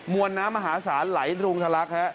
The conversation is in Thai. วนน้ำมหาศาลไหลรุงทะลัก